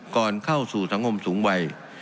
ก่อนเข้าสู่สังคมสูงวัย